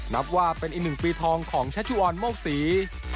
นับว่าเป็นอีกหนึ่งปีทองของชัชวรโมกศรี